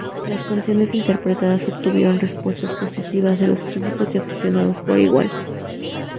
Las canciones interpretadas obtuvieron respuestas positivas de los críticos y aficionados por igual.